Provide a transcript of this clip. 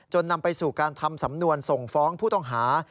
นำไปสู่การทำสำนวนส่งฟ้องผู้ต้องหา